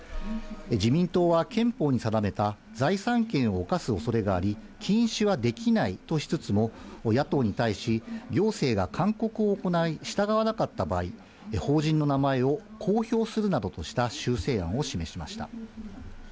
自民党は憲法に定めた財産権を侵すおそれがあり、禁止はできないとしつつも、野党に対し、行政が勧告を行い、従わなかった場合、法人の名前を公表するなどとした修正案を示しました。